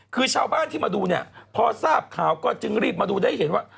คือชาวบ้านที่มาดูเนี่ยพอทราบข่าวก็จึงรีบมาดูได้เห็นว่า